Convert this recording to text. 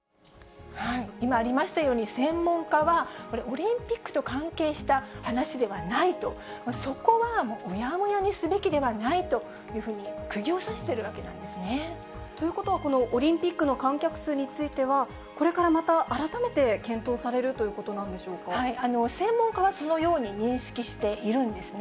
今ありましたように、専門家は、オリンピックと関係した話ではないと、そこはうやむやにすべきではないと、くぎを刺してるわけなんですということは、このオリンピックの観客数については、これからまた改めて検討されるというこ専門家はそのように認識しているんですね。